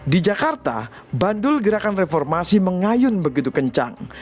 di jakarta bandul gerakan reformasi mengayun begitu kencang